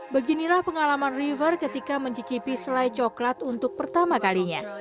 beginilah pengalaman river ketika mencicipi selai coklat untuk pertama kalinya